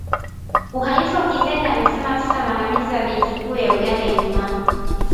uhalifu wa kifedha amesema afisa mwandamizi wa benki kuu ya Uganda Ijumaa